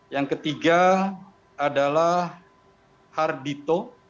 yang ketiga adalah hardito